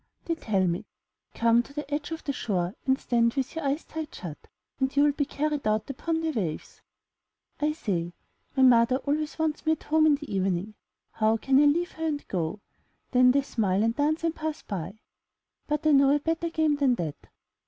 They tell me, ''Come to the edge of the shore and stand with your eyes tight shut, and you will be carried out upon the waves." I say, "My mother always wants me at home in the evening — how can I leave her and go?" Then they smile, dance and pass by. But I know a better game than that.